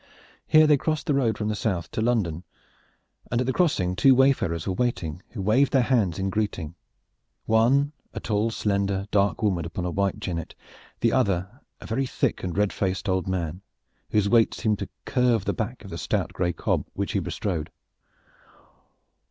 Here they crossed the road from the south to London, and at the crossing two wayfarers were waiting who waved their hands in greeting, the one a tall, slender, dark woman upon a white jennet, the other a very thick and red faced old man, whose weight seemed to curve the back of the stout gray cob which he bestrode.